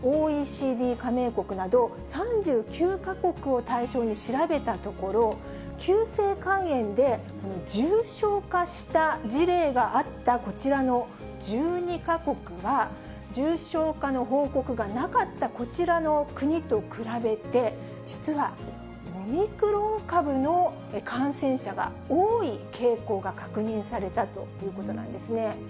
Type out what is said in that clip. ＯＥＣＤ加盟国など３９か国を対象に調べたところ、急性肝炎で重症化した事例があったこちらの１２か国は、重症化の報告がなかったこちらの国と比べて、実はオミクロン株の感染者が多い傾向が確認されたということなんですね。